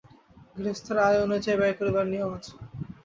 গৃহস্থের আয় অনুযায়ী ব্যয় করিবার নিয়ম আছে।